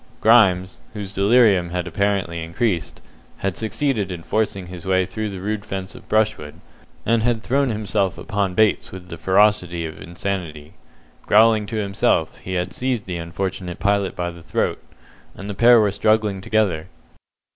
Grimes, whose delirium had apparently increased, had succeeded in forcing his way through the rude fence of brushwood, and had thrown himself upon Bates with the ferocity of insanity. Growling to himself, he had seized the unfortunate pilot by the throat, and the pair were struggling together.